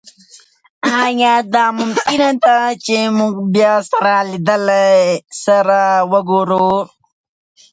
ایا دا ممکنه ده چې موږ بیا سره وګورو؟